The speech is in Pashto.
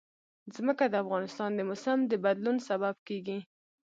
ځمکه د افغانستان د موسم د بدلون سبب کېږي.